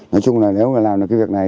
nói chung là nếu mà làm được cái việc này